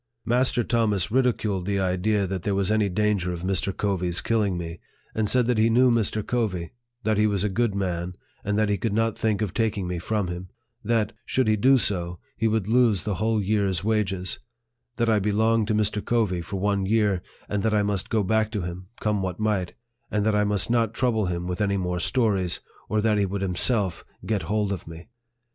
Master Thomas ridiculed the idea that there was any danger LIFE OF FREDERICK DOUGLASS. 69 of Mr. Covey's killing me, and said that he knew Mr. Covey ; that he was a good man, and that he could not think of taking me from him ; that, should he do so, he would lose the whole year's wages ; that I be longed to Mr. Covey for one year, and that I must go back to him, come what might ; and that I must not trouble him with any more stories, or that he would himself get hold of me.